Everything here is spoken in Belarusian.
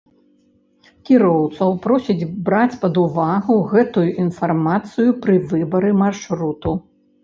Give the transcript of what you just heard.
Кіроўцаў просяць браць пад увагу гэтую інфармацыю пры выбары маршруту.